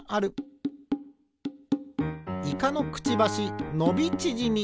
イカのくちばしのびちぢみ。